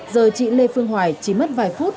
giờ chị lê phương hoài chỉ mất vài phút